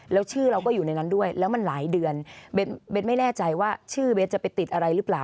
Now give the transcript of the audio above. แล้วชื่อเราก็อยู่ในนั้นด้วยแล้วมันหลายเดือนเบสไม่แน่ใจว่าชื่อเบสจะไปติดอะไรหรือเปล่า